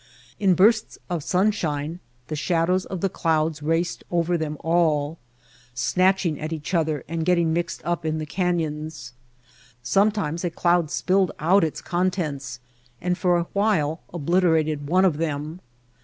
In bursts of sunshine the shadows of the clouds raced over them all, Snowstorm and Sandstorm snatching at each other and getting mixed up in the canyons. Sometimes a cloud spilled out its contents and for a while obliterated one of them.